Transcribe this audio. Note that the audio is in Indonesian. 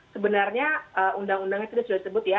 sebenarnya undang undang itu sudah disebut ya